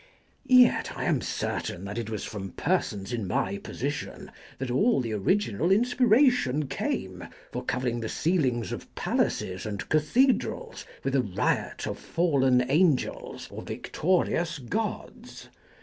Yet I am certain that it was from persons in my po sition that all the original inspiration came for covering the ceilings of palaces and cathedrals with a riot of fallen angels or victorious gods.